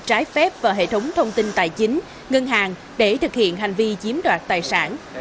trái phép vào hệ thống thông tin tài chính ngân hàng để thực hiện hành vi chiếm đoạt tài sản